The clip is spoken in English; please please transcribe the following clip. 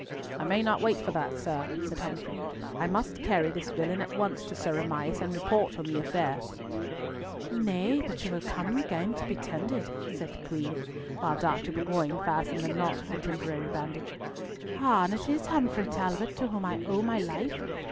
"I may not wait for that, sir," said Humfrey. "I must carry this villain at once to Sir Amias and report on the affair." "Nay, but you will come again to be tended," said the Queen, while Dr. Bourgoin fastened the knot of the temporary bandage. "Ah! and is it Humfrey Talbot to whom I owe my life?